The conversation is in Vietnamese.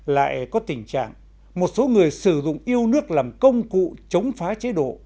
lại có tình trạng một số người sử dụng yêu nước làm công cụ chống phá chế độ